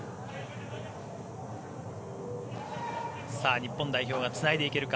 日本代表がつないでいけるか。